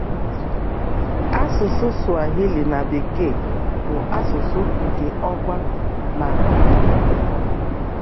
Asusu Swahili na bekee bu asusu nke okwa na Uganda.